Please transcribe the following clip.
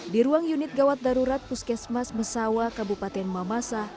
di ruang unit gawat darurat puskesmas mesawa kabupaten mamasa